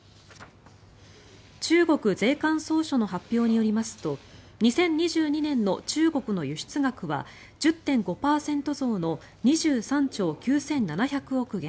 中国税関総署の発表によりますと２０２２年の中国の輸出額は１０．５％増の２３兆９７００億元。